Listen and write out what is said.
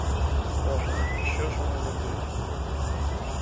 Ох, що ж вони не йдуть?